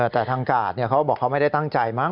แต่ทางกาดเขาบอกเขาไม่ได้ตั้งใจมั้